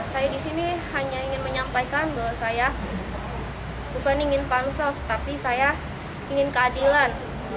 saya di sini hanya ingin menyampaikan bahwa saya bukan ingin pansos tapi saya ingin keadilan